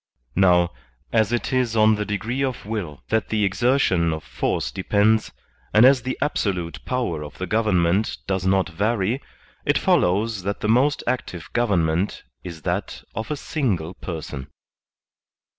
Now, as it is on the degree of will that the exertion of force de pends, and as the absolute power of the government 56 THE SOCIAL CONTRACT does not vary, it follows that the most active govern ment is that of a single person.